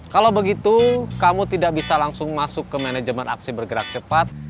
kalau begitu kamu tidak bisa langsung masuk ke manajemen aksi bergerak cepat